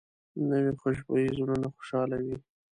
نوې خوشبويي زړونه خوشحالوي